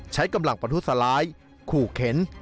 ใช้กำลังประทุษร้ายขู่เข็น